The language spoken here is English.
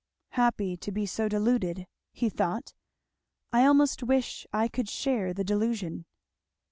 "Happy to be so deluded!" he thought. "I almost wish I could share the delusion!"